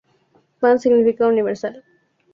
Pan significa Universal.